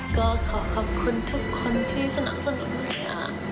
ก็ขอขอบคุณทุกคนที่สนับสนุนเมืองนี้